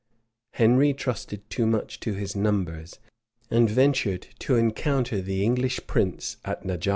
Henry trusted too much to his numbers; and ventured to encounter the English prince at Najara.